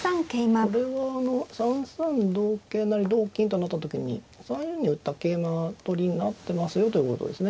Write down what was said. これは３三同桂成同金となった時に３四に打った桂馬取りになってますよということですね。